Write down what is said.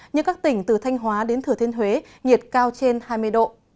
như các tỉnh từ thanh hóa đến thừa thiên huế nhiệt cao trên hai mươi độ